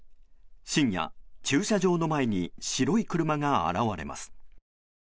深夜、駐車場の前に白い車が現れます。